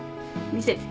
見せて。